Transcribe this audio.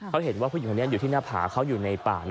เขาเห็นว่าผู้หญิงคนนี้อยู่ที่หน้าผาเขาอยู่ในป่า